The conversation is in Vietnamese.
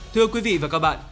thưa quý vị và các bạn